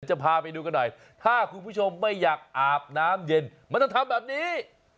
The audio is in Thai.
จะพาไปดูกันหน่อยถ้าคุณผู้ชมไม่อยากอาบน้ำเย็นมันต้องทำแบบนี้